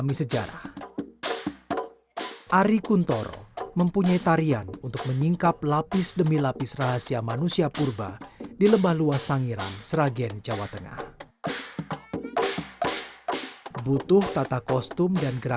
disinilah manusia modern menyebabkan misteri kehidupan nenek moyang dan peradaban yang dilaluinya